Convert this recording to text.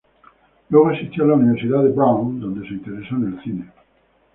Luego asistió a la Universidad de Brown, donde se interesó en el cine.